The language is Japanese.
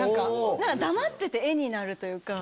黙ってて絵になるというか。